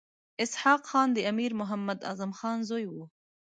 اسحق خان د امیر محمد اعظم خان زوی وو.